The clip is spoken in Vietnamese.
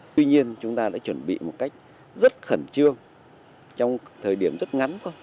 tuy nhiên chúng ta đã chuẩn bị một cách rất khẩn trương trong thời điểm rất ngắn thôi